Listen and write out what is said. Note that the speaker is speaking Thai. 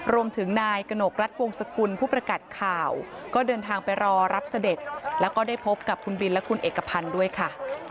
รวมถึงนายกนกรัฐวงสกุลผู้ประกัดข่าวก็เดินทางไปรอรับเสด็จแล้วก็ได้พบกับคุณบินและคุณเอกพันธ์ด้วยค่ะ